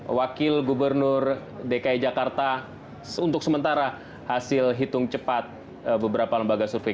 wakil gubernur dki jakarta untuk sementara hasil hitung cepat beberapa lembaga survei